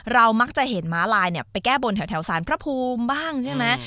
มักจะเห็นม้าลายไปแก้บนแถวสารพระภูมิบ้างใช่ไหม